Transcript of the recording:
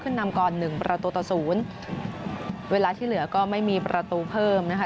นำก่อนหนึ่งประตูต่อศูนย์เวลาที่เหลือก็ไม่มีประตูเพิ่มนะคะ